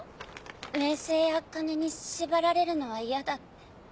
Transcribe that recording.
名声や金に縛られるのは嫌だって。